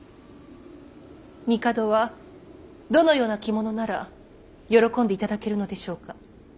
帝はどのような着物なら喜んでいただけるのでしょうか。